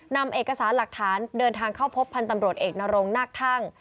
นำเอกสารหลักฐานเดินทางเข้าพบพันธ์ตำรวจเอกนรงนาคทั่ง